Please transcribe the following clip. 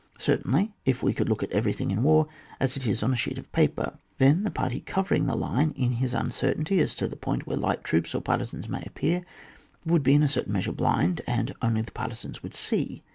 Certainly, if we could look at everything in war as it is on a sheet of paper ! Then the party covering the line, in his uncertainty as to the point where light troops or partisans may appear, would be in a certain measure blind, and only the partisans would see.